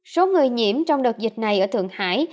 số người nhiễm trong đợt dịch này ở thượng hải